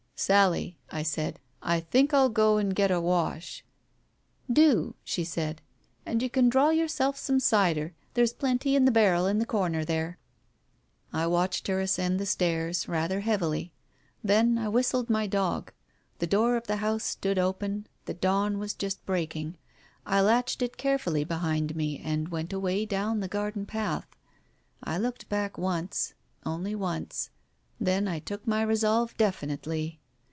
"Sally," I said, "I think Til go and get a wash." "Do," she said, "and you can draw yourself some cider. There's plenty in the barrel in the corner there." Digitized by Google THE WITNESS 193 I watched her ascend the stairs, rather heavily. Then I whistled my dog. The door of the house stood open, the dawn was just breaking. I latched it carefully behind me, and went away down the garden path. I looked back once — only once. Then I took my resolve definitely.